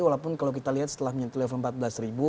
walaupun kalau kita lihat setelah mencari level empat belas